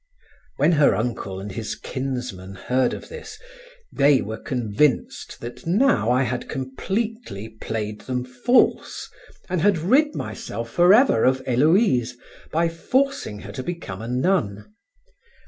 When her uncle and his kinsmen heard of this, they were convinced that now I had completely played them false and had rid myself forever of Héloïse by forcing her to become a nun.